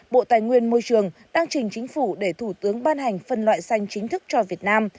bộ tài nguyên môi trường đang trình chính phủ để thủ tướng ban hành phân loại xanh chính thức cho việt nam